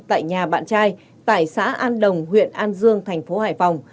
tại nhà bạn trai tại xã an đồng huyện an dương thành phố hải phòng